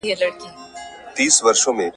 • اصل بې بها وي، کم اصل بها وي.